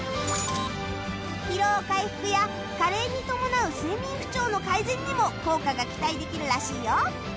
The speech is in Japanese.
疲労回復や加齢に伴う睡眠不調の改善にも効果が期待できるらしいよ